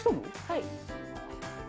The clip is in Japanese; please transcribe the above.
はい。